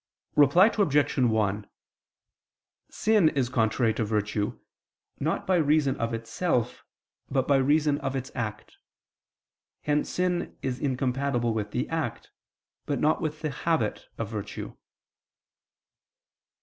Reply Obj. 1: Sin is contrary to virtue, not by reason of itself, but by reason of its act. Hence sin is incompatible with the act, but not with the habit, of virtue.